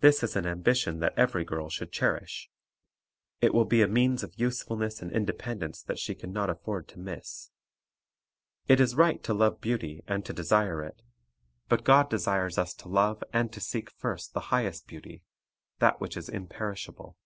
This is an ambition that every girl should cherish. It will be a means of usefulness and independence that she can not afford to miss. It is right to love beauty and to desire it; but God desires us to love and to seek first the highest beauty, — that which is imperishable.